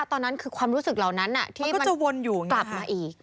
ตอนนั้นคือความรู้สึกเหล่านั้นที่ก็จะวนกลับมาอีก